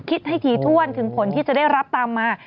คิดให้ถี่ถ้วนถึงผลที่จะได้รับตามมา